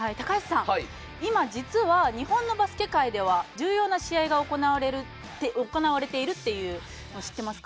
今、実は日本のバスケ界では重要な試合が行われているっていうの知ってますか？